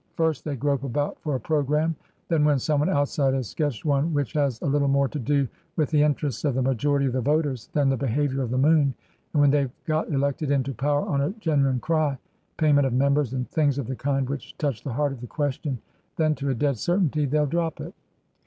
First they grope about for a Programme. Then when someone outside has sketched one which has a little more to do with the interests of the majority of the voters than the behaviour of the moon, and when they've got elected into power on a genuine cry — Pay ment of members and things of the kind which touch the heart of the question — then to a dead certainty they'll drop it.